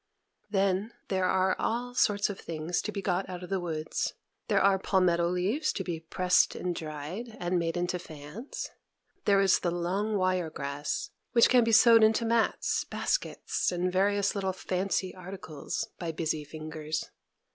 Then there are all sorts of things to be got out of the woods. There are palmetto leaves to be pressed and dried, and made into fans; there is the long wire grass, which can be sewed into mats, baskets, and various little fancy articles, by busy fingers.